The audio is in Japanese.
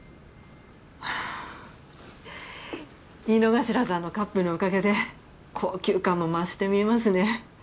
井之頭さんのカップのおかげで高級感も増して見えますね。